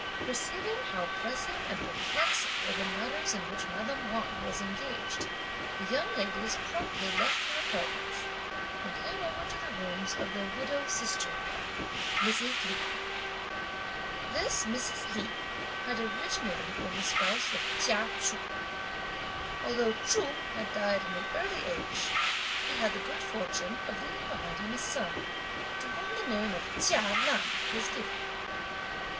Perceiving how pressing and perplexing were the matters in which madame Wang was engaged, the young ladies promptly left her apartments, and came over to the rooms of their widow sister in law, Mrs. Li. This Mrs. Li had originally been the spouse of Chia Chu. Although Chu had died at an early age, he had the good fortune of leaving behind him a son, to whom the name of Chia Lan was given.